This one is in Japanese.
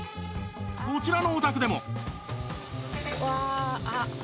こちらのお宅でも